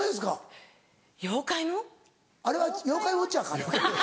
あれは『妖怪ウォッチ』かあれは。